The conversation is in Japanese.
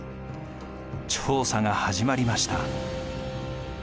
調査が始まりました。